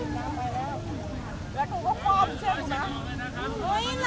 แล้วกูก็พร้อมเชื่อกูนะ